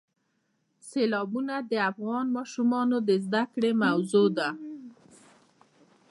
سیلابونه د افغان ماشومانو د زده کړې موضوع ده.